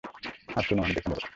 আর শোন- - আমি দেখে নেব।